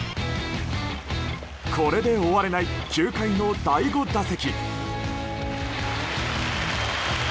これで終われない９回の第５打席。